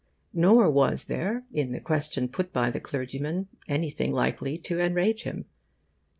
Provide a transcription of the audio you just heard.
Nor was there in the question put by the clergyman anything likely to enrage him.